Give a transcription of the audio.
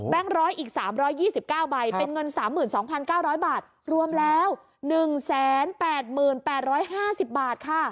๑๐๐อีก๓๒๙ใบเป็นเงิน๓๒๙๐๐บาทรวมแล้ว๑๘๘๕๐บาทค่ะ